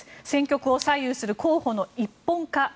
戦局を左右する候補の一本化。